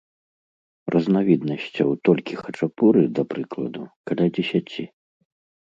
Разнавіднасцяў толькі хачапуры, да прыкладу, каля дзесяці.